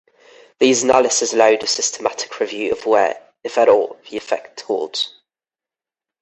These analyses allowed a systematic review of where, if at all, the effect holds.